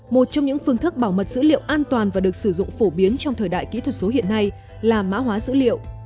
một trong những phương thức bảo mật dữ liệu an toàn và được sử dụng phổ biến trong thời đại kỹ thuật số hiện nay là mã hóa dữ liệu